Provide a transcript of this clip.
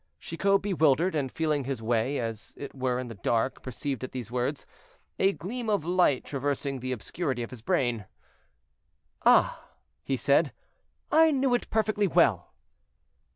Chicot, bewildered, and feeling his way as it were in the dark, perceived, at these words, a gleam of light traversing the obscurity of his brain. "Ah!" he said, "I knew it perfectly well."